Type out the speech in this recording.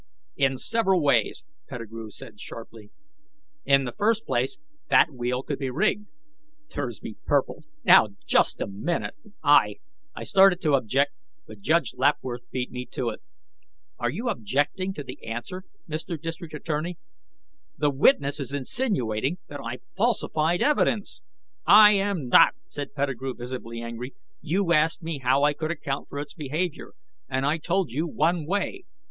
"In several ways!" Pettigrew said sharply. "In the first place, that wheel could be rigged." Thursby purpled. "Now, just a minute! I " I started to object, but Judge Lapworth beat me to it. "Are you objecting to the answer, Mr. District Attorney?" "The witness is insinuating that I falsified evidence!" "I am not!" said Pettigrew, visibly angry. "You asked me how I could account for its behavior, and I told you one way!